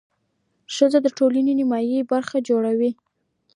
ښځه د ټولنې نیمایي برخه جوړوي.